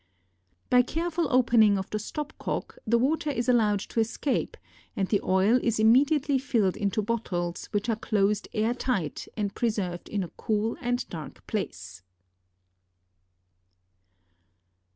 By careful opening of the stop cock the water is allowed to escape and the oil is immediately filled into bottles which are closed air tight and preserved in a cool and dark place.